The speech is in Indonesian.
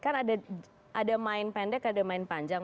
kan ada main pendek ada main panjang